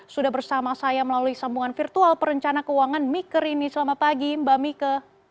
sudah bersama saya melalui sambungan virtual perencana keuangan mika rini selamat pagi mbak mika